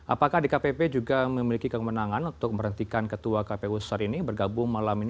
apakah dkpp juga memiliki kemenangan untuk menghentikan ketua kpu saat ini bergabung malam ini